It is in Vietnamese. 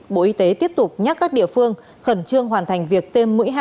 bộ y tế tiếp tục nhắc các địa phương khẩn trương hoàn thành việc tiêm mũi hai